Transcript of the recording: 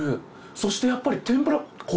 そしてやっぱり天ぷら衣